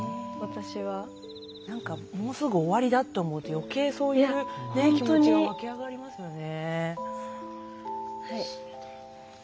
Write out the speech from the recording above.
何かもうすぐ終わりだって思うと余計そういう気持ちが湧き上がりますよね。